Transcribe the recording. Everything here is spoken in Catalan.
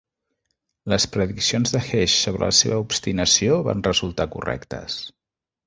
Les prediccions de Hesh sobre la seva obstinació van resultar correctes.